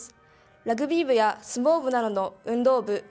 ラグビー部や相撲部などの運動部。